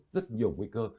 rất nhiều nguy cơ